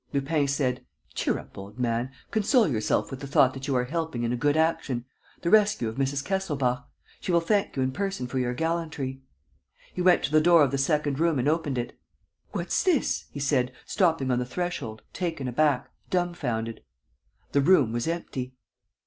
Lupin said: "Cheer up, old man! Console yourself with the thought that you are helping in a good action, the rescue of Mrs. Kesselbach. She will thank you in person for your gallantry." He went to the door of the second room and opened it: "What's this?" he said, stopping on the threshold, taken aback, dumfounded. The room was empty.